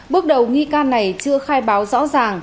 bước đầu nghi can này chưa khai báo rõ ràng